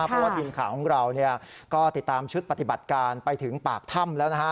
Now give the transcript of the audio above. เพราะว่าทีมข่าวของเราก็ติดตามชุดปฏิบัติการไปถึงปากถ้ำแล้วนะฮะ